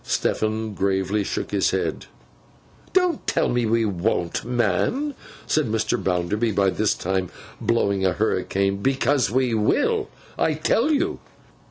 Stephen gravely shook his head. 'Don't tell me we won't, man,' said Mr. Bounderby, by this time blowing a hurricane, 'because we will, I tell you!